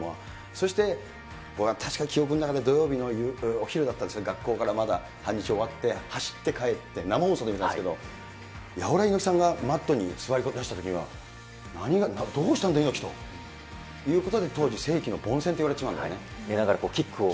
そしてこれは確か、記憶の中で、土曜日のお昼だったかな、学校からまだ半日終わって、走って帰って、生放送で見たんですけど、やおら猪木さんがマットに座り込みだしたときには、何が、どうしたんだ、猪木ということで、当時、世紀の混戦といわ寝ながらキックを。